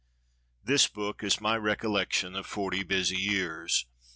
This book is my Recollections of Forty Busy Years.